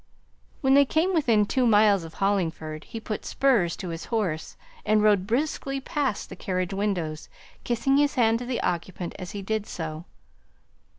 When they came within two miles of Hollingford, he put spurs to his horse, and rode briskly past the carriage windows, kissing his hand to the occupant as he did so.